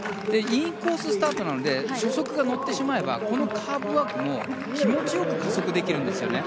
インコーススタートなので初速が乗ってしまえばこのカーブワークも気持ちよく加速できるんです。